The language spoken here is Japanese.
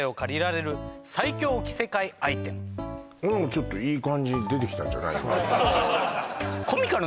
ちょっといい感じ出てきたんじゃない？